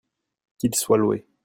qu'il soit loué.